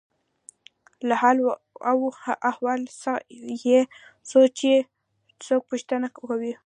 له حال او احوال یې څو چې څوک پوښتنه کوي.